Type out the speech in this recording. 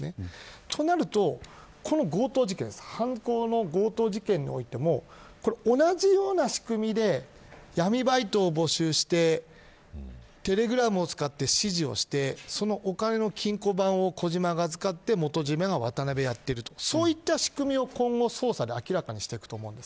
となると、この強盗事件犯行の強盗事件においても同じような仕組みで闇バイトを募集してテレグラムを使って指示をしてそのお金の金庫番を小島がやって元締を渡辺がやっているという仕組みを今後、捜査で明らかにしていくと思います。